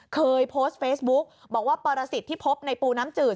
เคยโพสต์เฟซบุ๊กบอกว่าปรสิทธิ์ที่พบในปูน้ำจืด